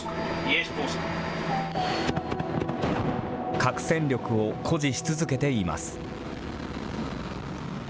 核戦力を誇示し続けています。